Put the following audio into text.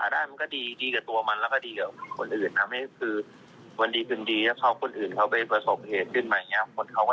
เพราะว่ามันก็อยู่ร่วมกันได้ใช่ไหมครับ